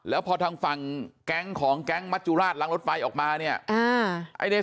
แล้วพอทางฝั่งแก๊งของแก๊งมัจจุราชล้างรถไฟออกมาเนี่ย